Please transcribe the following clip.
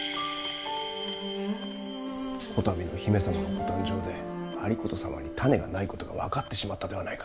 こたびの姫様のご誕生で有功様に胤がないことが分かってしまったではないか。